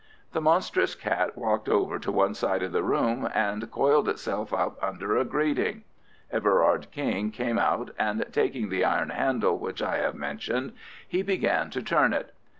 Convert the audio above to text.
The monstrous cat walked over to one side of the room and coiled itself up under a grating. Everard King came out, and taking the iron handle which I have mentioned, he began to turn it.